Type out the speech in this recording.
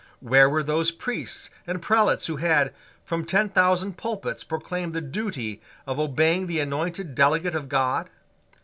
Where were those priests and prelates who had, from ten thousand pulpits, proclaimed the duty of obeying the anointed delegate of God?